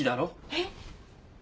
えっ？